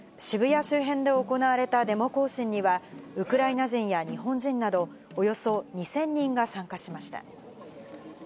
渋谷周辺で行われたデモ行進には、ウクライナ人や日本人など、およそ２０００人が参加しました。